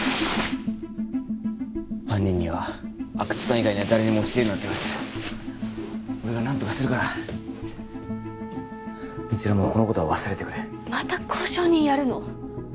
犯人には阿久津さん以外には誰にも教えるなって言われてる俺が何とかするから未知留もこのことは忘れてくれまた交渉人やるの？